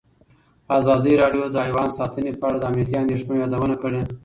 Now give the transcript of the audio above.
ازادي راډیو د حیوان ساتنه په اړه د امنیتي اندېښنو یادونه کړې.